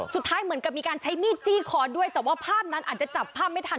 เหมือนกับมีการใช้มีดจี้คอด้วยแต่ว่าภาพนั้นอาจจะจับภาพไม่ทัน